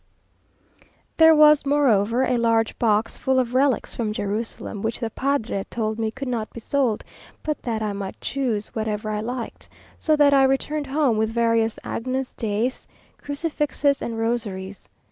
There was moreover a large box full of relics from Jerusalem, which the padre told me could not be sold, but that I might choose whatever I liked; so that I returned home with various Agnus Deis, crucifixes, and rosaries.